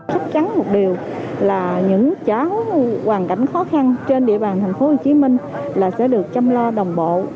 chắc chắn một điều là những cháu hoàn cảnh khó khăn trên địa bàn thành phố hồ chí minh là sẽ được chăm lo đồng bộ